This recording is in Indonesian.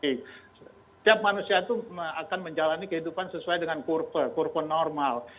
setiap manusia itu akan menjalani kehidupan sesuai dengan kurva kurva normal